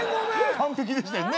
完璧でしたよね。